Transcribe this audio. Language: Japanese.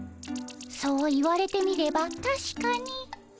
そう言われてみればたしかに。